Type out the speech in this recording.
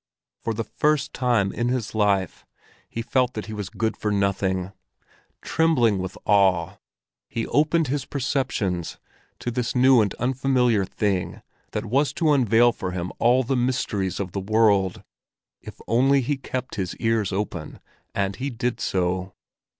For the first time in his life he felt that he was good for nothing. Trembling with awe, he opened his perceptions to this new and unfamiliar thing that was to unveil for him all the mysteries of the world, if only he kept his ears open; and he did so.